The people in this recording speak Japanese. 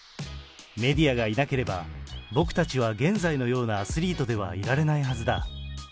メディアがいなければ、僕たちは現在のようなアスリートではいられないはずだ。